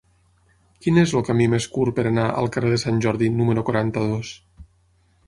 Quin és el camí més curt per anar al carrer de Sant Jordi número quaranta-dos?